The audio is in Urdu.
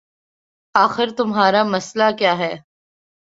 آخر تمہارا مسئلہ ہے کیا